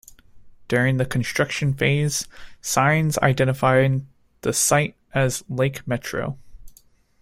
During the construction phase, signs identified the site as Lake Metro.